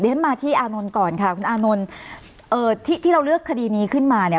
ฉันมาที่อานนท์ก่อนค่ะคุณอานนท์ที่เราเลือกคดีนี้ขึ้นมาเนี่ย